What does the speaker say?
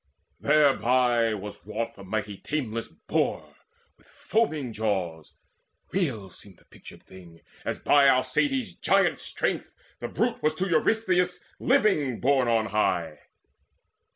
Thereby was wrought the mighty tameless Boar With foaming jaws; real seemed the pictured thing, As by Aleides' giant strength the brute Was to Eurystheus living borne on high.